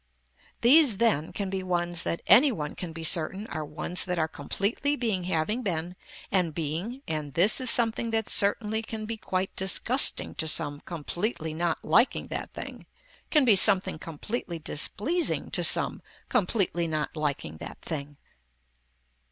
These then can be ones that any one can be certain are ones that are completely being having been and being and this is something that certainly can be quite disgusting to some completely not liking that thing, can be something completely displeasing to some completely not liking that thing.